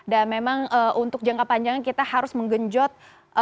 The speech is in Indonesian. dan memang untuk jangka panjangnya kita harus menggenjot